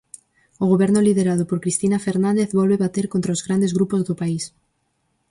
O goberno liderado por Cristina Fernández volve bater contra os grandes grupos do país.